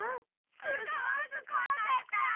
すごくこわかった！